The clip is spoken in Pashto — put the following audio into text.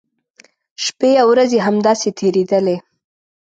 شپی او ورځې همداسې تېریدلې.